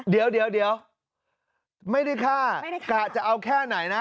เดี๋ยวไม่ได้ฆ่ากะจะเอาแค่ไหนนะ